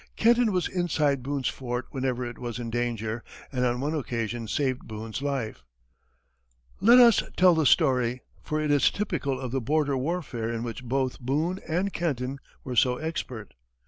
Kenton was inside Boone's fort whenever it was in danger, and on one occasion saved Boone's life. Let us tell the story, for it is typical of the border warfare in which both Boone and Kenton were so expert.